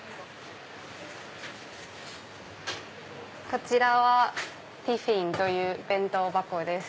こちらはティフィンという弁当箱です。